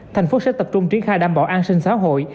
thành phố sẽ tập trung triển khai đảm bảo an sinh xã hội